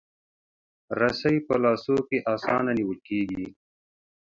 رسۍ په لاسو کې اسانه نیول کېږي.